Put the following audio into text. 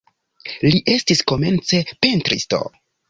Li estis komence pentristo.